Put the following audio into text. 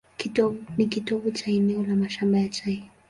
Ni kitovu cha eneo la mashamba ya chai.